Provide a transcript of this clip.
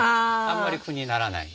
あんまり苦にならない。